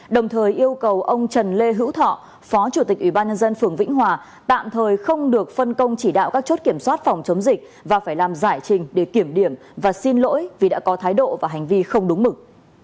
đồng thời yêu cầu ông trần lê hữu thọ phó chủ tịch ủy ban nhân dân phường vĩnh hòa tạm thời không được phân công chỉ đạo các chốt kiểm soát phòng chống dịch và phải làm giải trình để kiểm điểm và xin lỗi vì đã có thái độ và hành vi không đúng mực